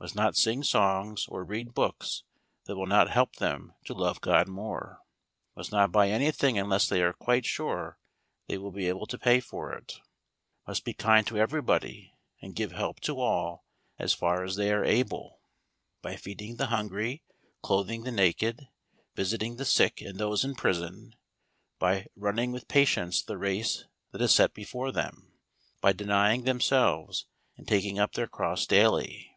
Must not sing songs or read books that will not help them to love God more. Must not buy anything unless they are quite sure they will be able to pay for it. Must be kind to everybody, and give help to all, as far as they are able; By feeding the hungry; Clothing the naked; Visiting the sick and those in prison; By "running with patience the race that is set before them;" By denying themselves and taking up their cross daily.